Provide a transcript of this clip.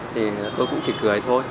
thì tôi cũng chỉ cười thôi